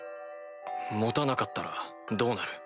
持たなかったらどうなる？